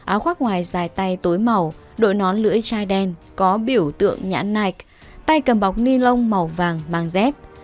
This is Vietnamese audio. áo khoác ngoài dài tay tối màu đội nón lưỡi chai đen có biểu tượng nhãn nạch tay cầm bọc ni lông màu vàng mang dép